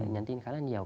nhắn tin khá là nhiều